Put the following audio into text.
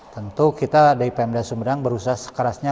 tentu kita dari pmd sumedang berusaha sekerasnya